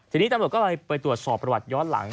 ทีนี้ตำรวจก็เลยไปตรวจสอบประวัติย้อนหลัง